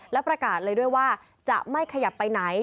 และประกาศเลยด้วยว่าจะไม่ขยับไปไหน